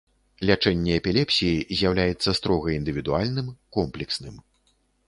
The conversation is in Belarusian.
Лячэнне эпілепсіі з'яўляецца строга індывідуальным, комплексным.